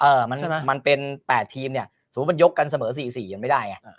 มันเป็น๘ทีมเนี่ยสมมุติมันยกกันเสมอ๔๔มันไม่ได้ไง